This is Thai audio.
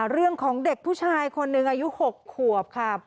เรื่องของเด็กผู้ชายคนหนึ่งอายุ๖ขวบค่ะ